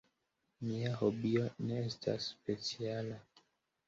Mia hobio ne estas speciala.